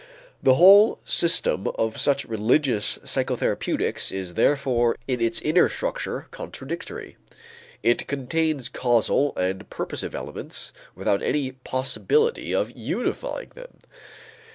The whole system of such religious psychotherapeutics is therefore in its inner structure contradictory. It contains causal and purposive elements without any possibility of unifying them.